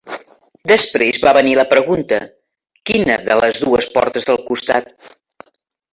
Després va venir la pregunta, quina de les dues portes del costat?